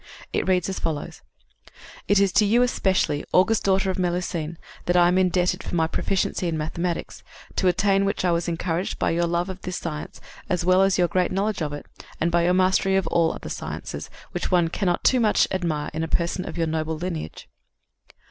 It reads as follows: "It is to you especially, august daughter of Melusine, that I am indebted for my proficiency in mathematics, to attain which I was encouraged by your love for this science, as well as your great knowledge of it, and by your mastery of all other sciences, which one cannot too much admire in a person of your noble lineage."